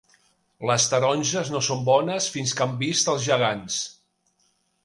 Les taronges no són bones fins que han vist els gegants.